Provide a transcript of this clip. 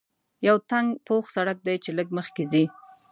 یو تنګ پوخ سړک دی چې لږ مخکې ځې.